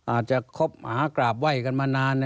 อาจจะครบหมากราบไห้กันมานาน